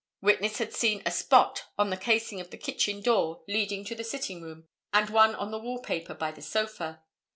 Witness had seen a spot on the casing of the kitchen door leading to the sitting room, and one on the wall paper by the sofa.